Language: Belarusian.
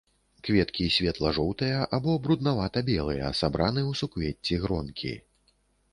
Кветкі светла-жоўтыя або бруднавата-белыя, сабраны ў суквецці-гронкі.